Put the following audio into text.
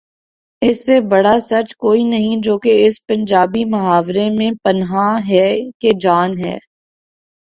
اس سے بڑا سچ کوئی نہیں جو کہ اس پنجابی محاورے میں پنہاں ہے کہ جان ہے۔